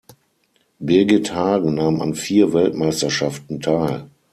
Birgit Hagen nahm an vier Weltmeisterschaften teil.